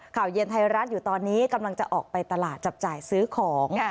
ข่าวเย็นไทยรัฐอยู่ตอนนี้กำลังจะออกไปตลาดจับจ่ายซื้อของ